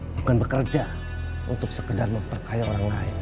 bukan bekerja untuk sekedar memperkaya orang lain